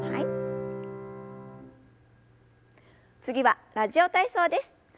次は「ラジオ体操」です。